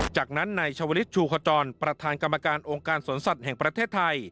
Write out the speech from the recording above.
จากนั้นนายชาวลิศชูขจรประธานกรรมการองค์การสวนสัตว์แห่งประเทศไทย